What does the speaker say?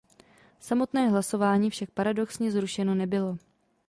Samotné hlasování však paradoxně zrušeno nebylo.